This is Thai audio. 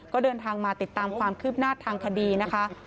ก็เดินทางมาติดตามความคืบหน้าทางคดีนะคะ